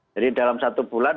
jadi dalam satu bulan